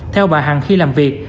theo bà hằng khi làm việc